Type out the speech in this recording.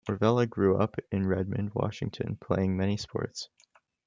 Orvella grew up in Redmond, Washington playing many sports.